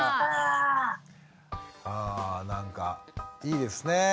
あなんかいいですね。